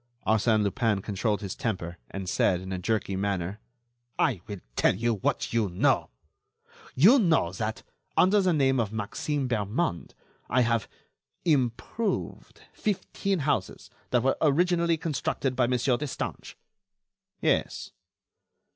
Arsène Lupin controlled his temper and said, in a jerky manner: "I will tell you what you know. You know that, under the name of Maxime Bermond, I have ... improved fifteen houses that were originally constructed by Monsieur Destange." "Yes."